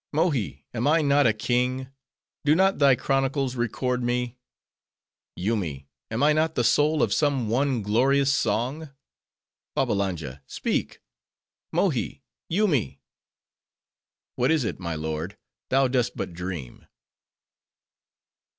Mohi, am I not a king? Do not thy chronicles record me? Yoomy, am I not the soul of some one glorious song? Babbalanja, speak.—Mohi! Yoomy!" "What is it, my lord? thou dost but dream."